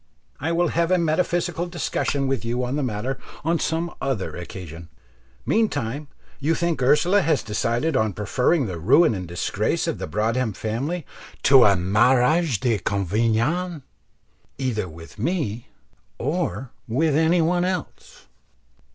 I will have a metaphysical discussion with you on the matter on some other occasion. Meantime you think Ursula has decided on preferring the ruin and disgrace of the Broadhem family to a mariage de convenance either with me or any one else?"